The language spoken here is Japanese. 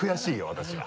私は。